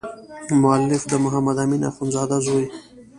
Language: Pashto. مؤلف د محمد امین اخندزاده زوی.